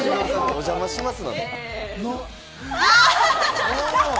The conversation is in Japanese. お邪魔します。